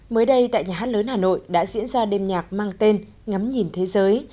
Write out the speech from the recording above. mới đây tại nhà hát lớn hà nội đã diễn ra đêm nhạc mang tên ngắm nhìn thế giới